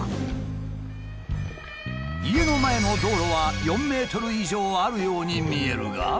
家の前の道路は４ｍ以上あるように見えるが。